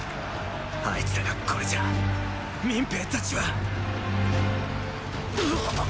あいつらがこれじゃ民兵たちはぐはっ！